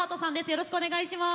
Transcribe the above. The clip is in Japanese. よろしくお願いします。